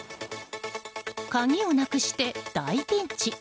鍵をなくして大ピンチ。